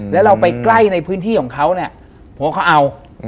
แล้วเราไปใกล้ในพื้นที่ของเขาเนี่ยเพราะว่าเขาเอา